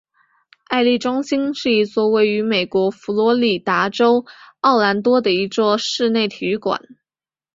安丽中心是一座位于美国佛罗里达州奥兰多的一座室内体育馆。